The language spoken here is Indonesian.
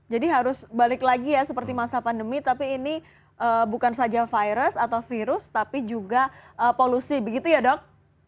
jadi harus balik lagi ya seperti masa pandemi tapi ini bukan saja virus atau virus tapi juga polusi begitu ya dok